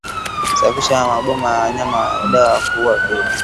Safisha maboma ya wanyama kwa dawa za kuua viini